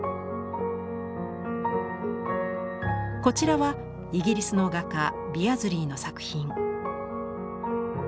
こちらはイギリスの画家ビアズリーの作品。